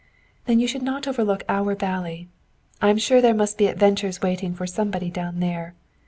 "Then you should not overlook our valley. I am sure there must be adventures waiting for somebody down there.